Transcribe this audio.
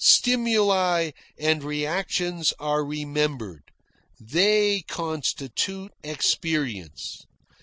Stimuli and reactions are remembered. They constitute experience.